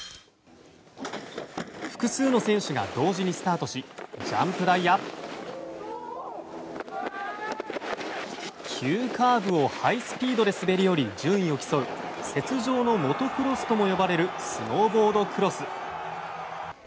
複数の選手が同時にスタートしジャンプ台や急カーブをハイスピードで滑り降り順位を競う雪上のモトクロスとも呼ばれるスノーボードクロス。